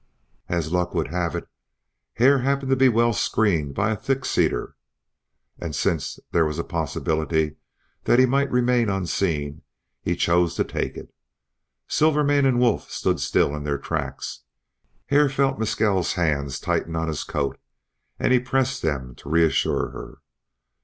As luck would have it Hare happened to be well screened by a thick cedar; and since there was a possibility that he might remain unseen he chose to take it. Silvermane and Wolf stood still in their tracks. Hare felt Mescal's hands tighten on his coat and he pressed them to reassure her.